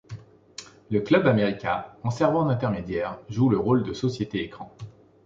Le Club América en servant d'intermédiaire joue le rôle de société écran.